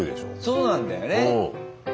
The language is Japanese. そうなんだよね。